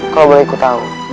kalau baikku tahu